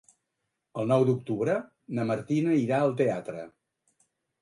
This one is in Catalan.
El nou d'octubre na Martina irà al teatre.